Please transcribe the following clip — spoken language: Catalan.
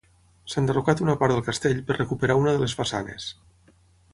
S'ha enderrocat una part del Castell per recuperar una de les façanes.